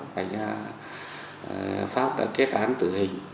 pháp đã kết án tự hình hoàng văn thụ